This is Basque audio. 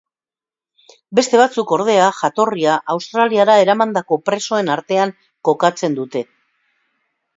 Beste batzuk ordea, jatorria Australiara eramandako presoen artean kokatzen dute.